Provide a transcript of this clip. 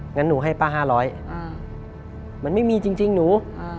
งั้นหนูให้ป้า๕๐๐มันไม่มีจริงหนู